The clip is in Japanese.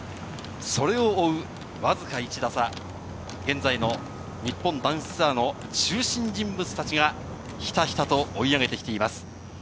それをわずか１打差、現在の日本男子ツアーの中心人物たちがひたひたと追い上げてきています。